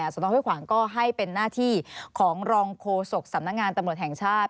สนห้วยขวางก็ให้เป็นหน้าที่ของรองโฆษกสำนักงานตำรวจแห่งชาติ